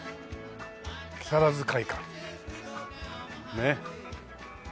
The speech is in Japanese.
「木更津会館」ねえ。